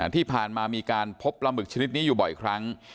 ที่ผ่านมามีการพบปลาหมึกชนิดนี้อยู่บ่อยครั้ง